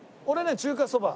中華そば。